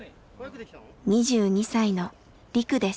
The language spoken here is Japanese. ２２歳のリクです。